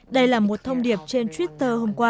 đây là một thông điệp trên twitter hôm qua